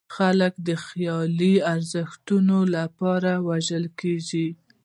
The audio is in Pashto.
خلک د خیالي ارزښتونو لپاره وژل کېږي.